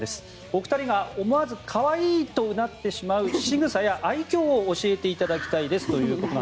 お二人が思わず可愛いとうなってしまうしぐさや愛嬌を教えていただきたいですと。